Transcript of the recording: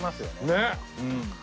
ねっ！